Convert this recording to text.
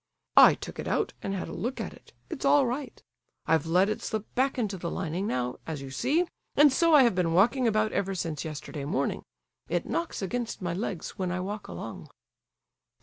"I took it out and had a look at it; it's all right. I've let it slip back into the lining now, as you see, and so I have been walking about ever since yesterday morning; it knocks against my legs when I walk along."